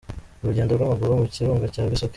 Urugendo rw’amaguru mu kirunga cya Bisoke.